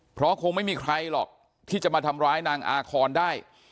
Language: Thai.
เพราะคงไม่มีใครหรอกที่จะมาทำร้ายนางอาคอนได้